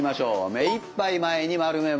目いっぱい前に丸めます。